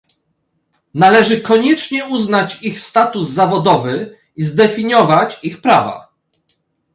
Należy koniecznie uznać ich status zawodowy i zdefiniować ich prawa